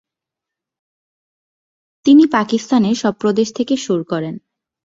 তিনি পাকিস্তানের সব প্রদেশ থেকে সুর করেন।